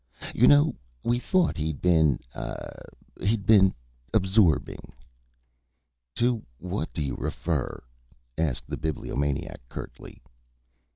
"You know, we thought he'd been ah he'd been absorbing." "To what do you refer?" asked the Bibliomaniac, curtly.